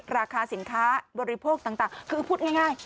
ราคาสินค้าบริโภคต่างคือพูดง่าย